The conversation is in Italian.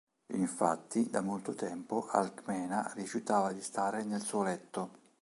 Infatti, da molto tempo Alcmena rifiutava di stare nel suo letto.